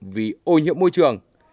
vì ô nhiễm môi trường